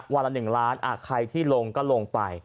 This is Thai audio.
วันละ๑ล้านใครที่ลงก็ลงไป